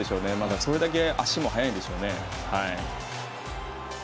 それだけ足も速いんでしょうね。